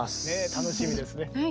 楽しみですね。